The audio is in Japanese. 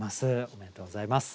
おめでとうございます。